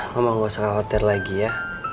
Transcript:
mama gak usah khawatir lagi ya